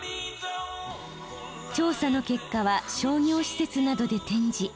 調査の結果は商業施設などで展示。